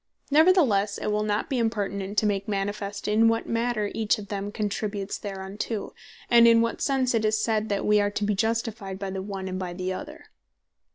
Neverthelesse, it will not be impertinent, to make manifest in what manner each of them contributes thereunto; and in what sense it is said, that we are to be Justified by the one, and by the other.